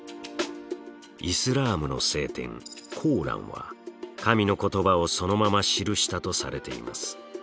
イスラームの聖典「コーラン」は神の言葉をそのまま記したとされています。